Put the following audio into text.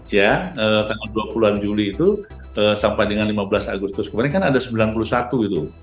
ya tanggal dua puluh an juli itu sampai dengan lima belas agustus kemarin kan ada sembilan puluh satu itu